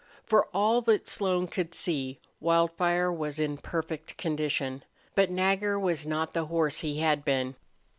For all that Slone could see, Wildfire was in perfect condition. But Nagger was not the horse he had been.